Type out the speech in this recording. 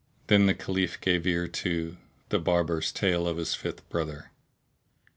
Then the Caliph gave ear to The Barber's Tale of his Fifth Brother.